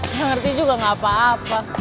nggak ngerti juga nggak apa apa